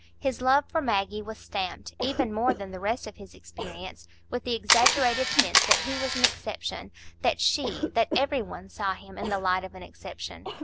His love for Maggie was stamped, even more than the rest of his experience, with the exaggerated sense that he was an exception,—that she, that every one, saw him in the light of an exception.